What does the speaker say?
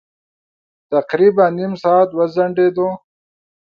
تقريباً نيم ساعت وځنډېدو.